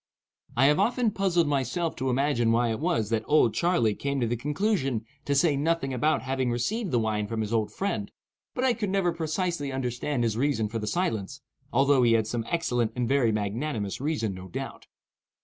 I have often puzzled myself to imagine why it was that "Old Charley" came to the conclusion to say nothing about having received the wine from his old friend, but I could never precisely understand his reason for the silence, although he had some excellent and very magnanimous reason, no doubt.